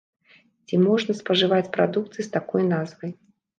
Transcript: Ці можна спажываць прадукты з такой назвай?